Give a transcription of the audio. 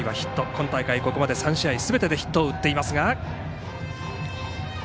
今大会、ここまで３試合すべてでヒットを打っていますが。